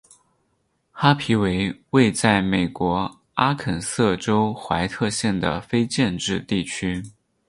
哈皮为位在美国阿肯色州怀特县的非建制地区。